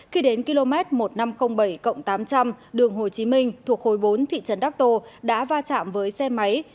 khi đến km một nghìn năm trăm linh bảy tám trăm linh đường hồ chí minh thuộc khối bốn thị trấn đắc tô đã va chạm với xe máy